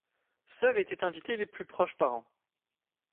Seuls étaient invités les plus proches parents.